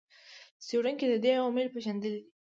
څېړونکو د دې عوامل پېژندلي دي.